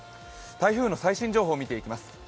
台風の最新情報を見ていきます。